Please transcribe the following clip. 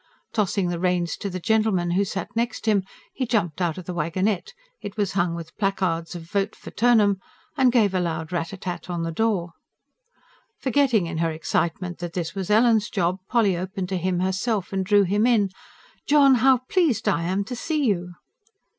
Tossing the reins to the gentleman who sat next him, he jumped out of the wagonette it was hung with placards of "Vote for Turnham!" and gave a loud rat a tat at the door. Forgetting in her excitement that this was Ellen's job, Polly opened to him herself, and drew him in. "John! How pleased I am to see you!"